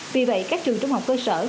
vì vậy các trường trung học cơ sở